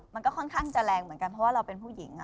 มันก็ค่อนข้างจะแรงเหมือนกันเพราะว่าเราเป็นผู้หญิง